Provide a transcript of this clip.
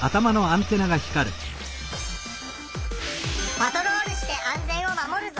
パトロールして安全を守るぞ！